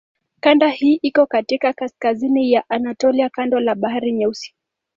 Kanda hii iko katika kaskazini ya Anatolia kando la Bahari Nyeusi.